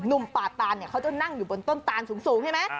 ป่าตานเนี่ยเขาจะนั่งอยู่บนต้นตานสูงใช่ไหม